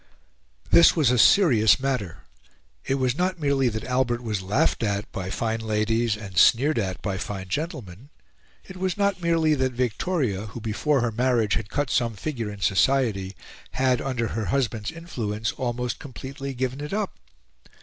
This was a serious matter. It was not merely that Albert was laughed at by fine ladies and sneered at by fine gentlemen; it was not merely that Victoria, who before her marriage had cut some figure in society, had, under her husband's influence, almost completely given it up.